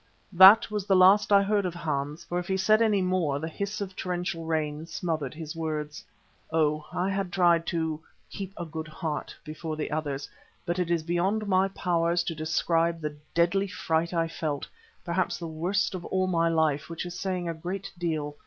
That was the last I heard of Hans, for if he said any more, the hiss of the torrential rain smothered his words. Oh! I had tried to "keep a good heart" before the others, but it is beyond my powers to describe the deadly fright I felt, perhaps the worst of all my life, which is saying a great deal.